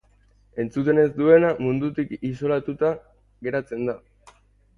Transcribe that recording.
Entzuten ez duena mundutik isolatuta geratzen da.